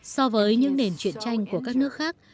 so với những nền chuyện tranh của các nước khác